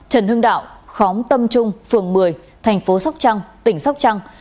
trần hưng đạo khóm tâm trung phường một mươi thành phố sóc trăng tỉnh sóc trăng